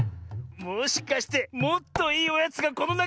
もしかしてもっといいおやつがこのなかに。